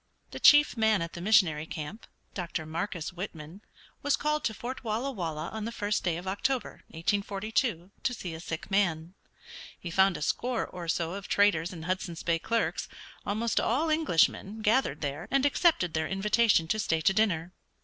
The chief man at the missionary camp, Dr. Marcus Whitman, was called to Fort Walla Walla on the first day of October, 1842, to see a sick man. He found a score or so of traders and Hudson's Bay clerks, almost all Englishmen, gathered there, and accepted their invitation to stay to dinner.